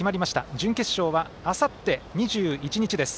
準決勝は、あさって２１日です。